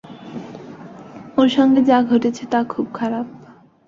ওর সঙ্গে যা ঘটেছে তা খুব খারাপ।